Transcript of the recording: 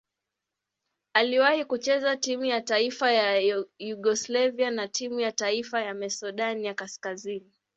Aliwahi kucheza timu ya taifa ya Yugoslavia na timu ya taifa ya Masedonia Kaskazini.